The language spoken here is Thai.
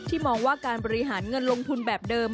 มองว่าการบริหารเงินลงทุนแบบเดิม